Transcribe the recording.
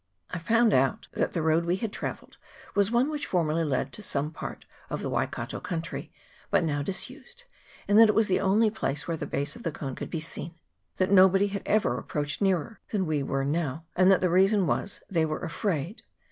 I found out that the road we had travelled was one which for merly led to some part of the Waikato country, but now disused, and that it was the only place where the base of the cone could be seen ; that nobody had ever approached nearer than we now were ; and that the reason was, they were afraid.